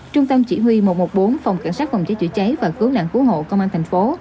trung tâm chỉ huy một trăm một mươi bốn phòng cảnh sát phòng cháy chữa cháy và cứu nạn cứu hộ công an thành phố